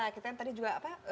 kita yang tadi juga apa